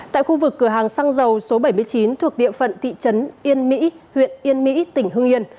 tại khu vực cửa hàng xăng dầu số bảy mươi chín thuộc địa phận thị trấn yên mỹ huyện yên mỹ tỉnh hưng yên